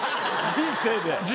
人生で。